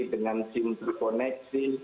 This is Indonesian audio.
dengan sim terkoneksi